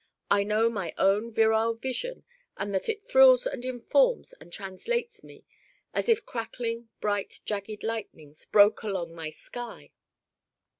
I know my own virile vision and that it thrills and informs and translates me as if crackling bright jagged lightnings broke along my sky.